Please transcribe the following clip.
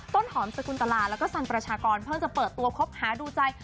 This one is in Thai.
ต้นหอมสกุลตลาแล้วก็สันประชากรเพิ่งจะเปิดตัวคบหาดูใจ